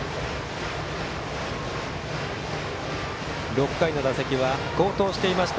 ６回の打席は好投していました